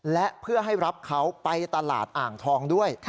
และเพื่อให้รับเขาไปตลาดอ่างทองด้วย